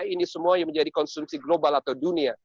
ini semuanya menjadi konsumsi global atau dunia